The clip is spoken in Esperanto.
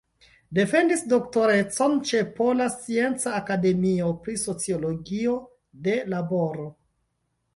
Defendis doktorecon ĉe Pola Scienca Akademio pri sociologio de laboro.